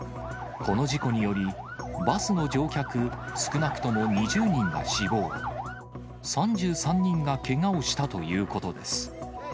この事故により、バスの乗客少なくとも２０人が死亡、３３人がけがをしたということです。